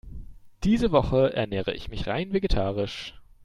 Diese Woche ernähre ich mich rein vegetarisch.